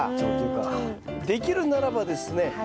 できるならばですね